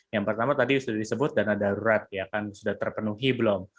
yang pertama tadi sudah disebut dana darurat ya kan sudah terpenuhi belum